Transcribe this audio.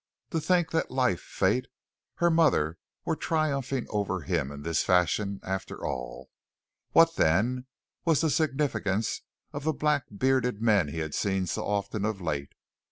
To think that life, fate, her mother were triumphing over him in this fashion, after all. What then was the significance of the black bearded men he had seen so often of late?